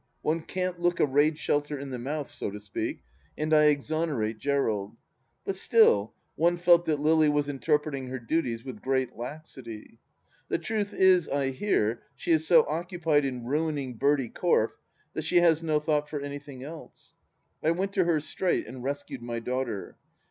One can't look a raid shelter in the mouth, so to speak, and I exonerate Gerald. But still, one felt that Lily was interpreting her duties with great laxity. The truth is, I hear, she is so occupied in ruining Bertie Corfe that she has no thought for anything else. I went to her straight and rescued my daughter.